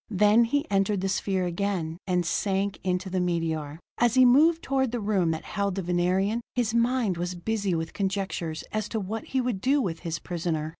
Then he entered the sphere again, and sank into the meteor. As he moved toward the room that held the Venerian, his mind was busy with conjectures as to what he would do with his prisoner.